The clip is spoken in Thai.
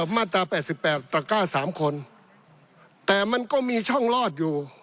มาตราแปดสิบแปดตระก้าสามคนแต่มันก็มีช่องลอดอยู่